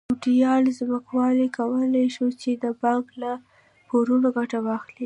فیوډال ځمکوالو کولای شول چې د بانک له پورونو ګټه واخلي.